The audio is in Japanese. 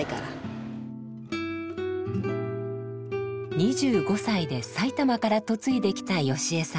２５歳で埼玉から嫁いできたよし江さん。